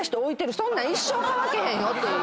そんなん一生乾けへんよって。